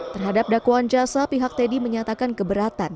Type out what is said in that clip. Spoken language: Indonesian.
terhadap dakwaan jasa pihak teddy menyatakan keberatan